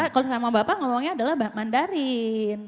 kalau sama bapak ngomongnya adalah mandarin